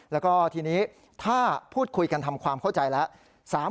แล้วก็ทีนี้ถ้าพูดคุยกันทำความเข้าใจแล้ว